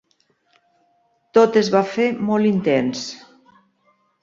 Tot es va fer molt intens.